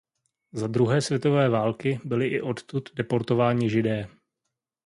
Za druhé světové války byli i odtud deportováni Židé.